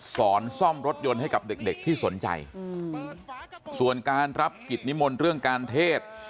สอนซ่อมรถยนต์ให้กับเด็กเด็กที่สนใจส่วนการรับกิจนิมนต์เรื่องการเทศ